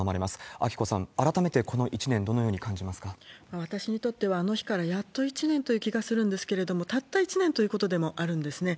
明子さん、改めてこの１年、私にとっては、あの日からやっと１年という気がするんですけれども、たった１年ということでもあるんですね。